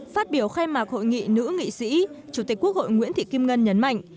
phát biểu khai mạc hội nghị nữ nghị sĩ chủ tịch quốc hội nguyễn thị kim ngân nhấn mạnh